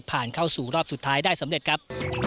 เข้าสู่รอบสุดท้ายได้สำเร็จครับ